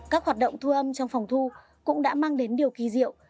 các hoạt động thu âm trong phòng thu cũng đã mang đến điều kỳ diệu